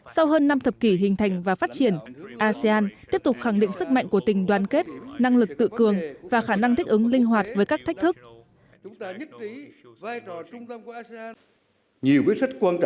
sau hơn năm thập kỷ hình thành và phát triển asean tiếp tục khẳng định sức mạnh của tình đoàn kết năng lực tự cường và khả năng thích ứng linh hoạt với các thách thức